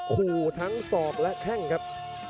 กันต่อแพทย์จินดอร์